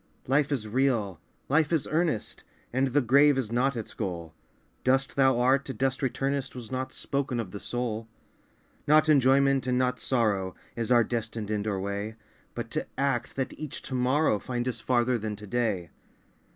Life is real ! Life is earnest ! And the grave is not its goal ; Dust thou art, to dust returnest, Was not spoken of the soul. VOICES OF THE NIGHT. Not enjoyment, and not sorrow, Is our destined end or way ; But to act, that each to morrow Find us farther than to day.